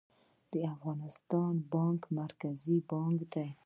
د افغانستان بانک مرکزي بانک دی